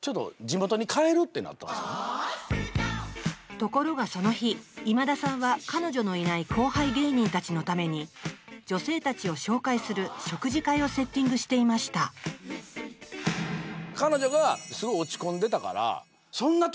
ところがその日今田さんは彼女のいない後輩芸人たちのために女性たちを紹介する食事会をセッティングしていましたってなって。